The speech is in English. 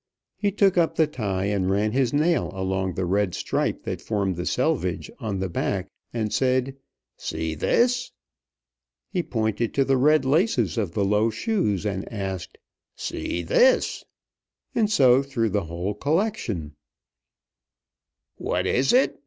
He took up the tie, and ran his nail along the red stripe that formed the selvedge on the back, and said, "See this?" He pointed to the red laces of the low shoes and asked, "See this?" And so through the whole collection. "What is it?"